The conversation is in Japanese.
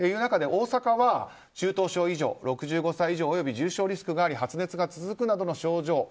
大阪は中等症以上、６５歳以上および重症リスクがあり発熱が続くなどの症状